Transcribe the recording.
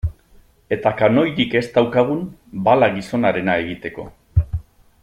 Eta kanoirik ez daukagun, bala gizonarena egiteko.